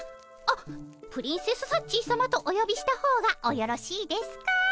あっプリンセスサッチーさまとおよびした方がおよろしいですか？